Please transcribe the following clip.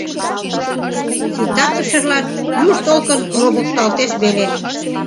Ситартышыжлан юж толкын ловыкалтеш веле.